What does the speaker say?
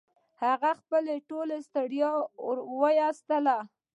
هغه خپله ټوله ستړيا و ایستله